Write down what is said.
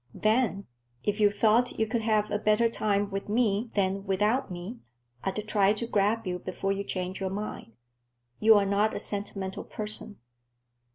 Then, if you thought you could have a better time with me than without me, I'd try to grab you before you changed your mind. You are not a sentimental person."